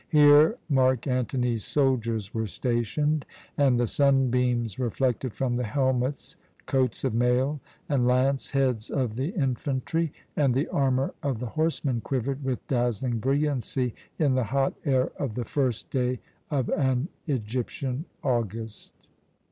Here Mark Antony's soldiers were stationed, and the sunbeams reflected from the helmets, coats of mail, and lance heads of the infantry, and the armour of the horsemen quivered with dazzling brilliancy in the hot air of the first day of an Egyptian August.